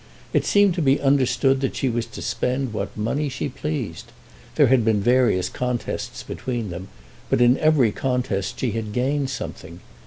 It seemed to be understood that she was to spend what money she pleased. There had been various contests between them, but in every contest she had gained something.